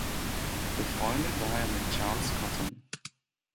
Befreundet war er mit Charles Cotton.